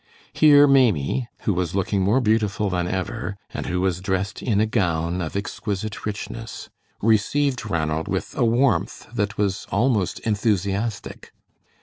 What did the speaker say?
Here Maimie, who was looking more beautiful than ever, and who was dressed in a gown of exquisite richness, received Ranald with a warmth that was almost enthusiastic.